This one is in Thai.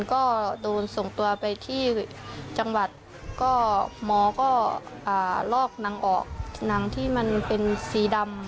ก็โดนส่งตัวไปที่จังหวัดก็หมอก็ลอกหนังออกหนังที่มันเป็นสีดำ